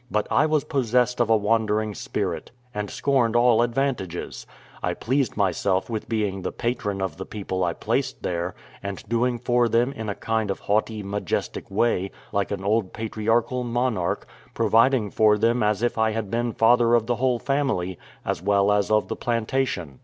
But I was possessed of a wandering spirit, and scorned all advantages: I pleased myself with being the patron of the people I placed there, and doing for them in a kind of haughty, majestic way, like an old patriarchal monarch, providing for them as if I had been father of the whole family, as well as of the plantation.